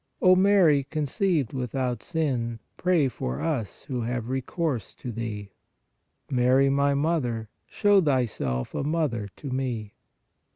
O Mary, conceived without sin, pray for us who have recourse to Thee. Mary, my Mother, show thyself a mother to me.